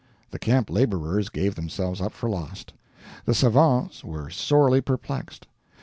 The camp laborers gave themselves up for lost. The savants were sorely perplexed.